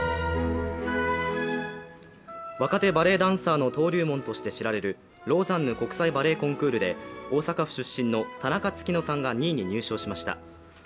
若手バレエダンサーの登竜門として知られるローザンヌ国際バレエコンクールで大阪府出身の田中月乃さんが２位に入賞しました。